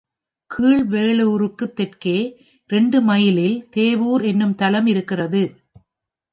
கீழ் வேளூருக்குத் தெற்கே இரண்டு மைலில் தேவூர் என்னும் தலம் இருக்கிறது.